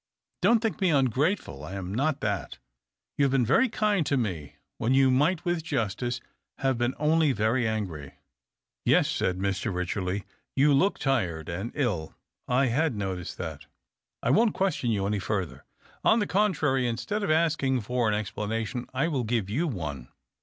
Don't think me ungrateful — I am not that. You have been very kind to me when you might with justice have been only very angry." " Yes," said Mr. Wycherley ;" you look tired and ill — I had noticed that. I won't question you any further. On the contrary, instead of asking for an explanation I will give you one.